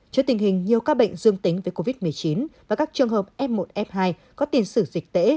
trước tình hình nhiều ca bệnh dương tính với covid một mươi chín và các trường hợp f một f hai có tiền sử dịch tễ